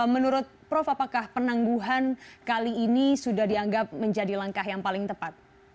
menurut prof apakah penangguhan kali ini sudah dianggap menjadi langkah yang paling tepat